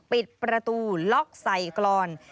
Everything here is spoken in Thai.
ปิดประตูล็อกใส่กรอน